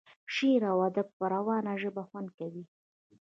شعر او ادب په روانه ژبه خوند کوي.